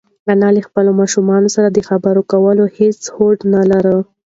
انا له ماشوم سره د خبرو کولو هېڅ هوډ نهلري.